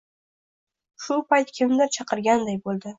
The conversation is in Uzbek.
Shu payt kimdir chaqirganday bo`ldi